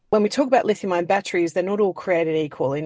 ketika kita berbicara tentang baterai litium mereka tidak semua dibendung